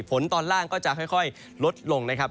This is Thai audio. ตอนล่างก็จะค่อยลดลงนะครับ